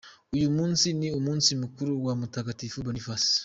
Uyu munsi ni umunsi mukuru wa Mutagatifu Boniface.